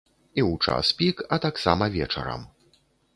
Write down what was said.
І ў час пік, а таксама вечарам.